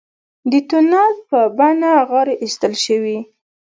د تونل په بڼه غارې ایستل شوي.